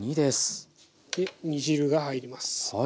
煮汁が入ります。